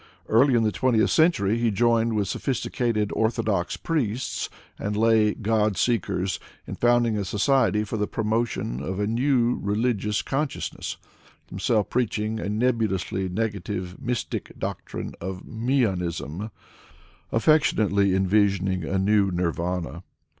Early in the twentieth century he joined with sophisticated Orthodox priests and lay God seekers in founding a society foir the promotion of a new religious con sciousness, himself preaching a nebulously negative, mystic doctrine of ^^meonism," affectionately envisaging a new Nirvana.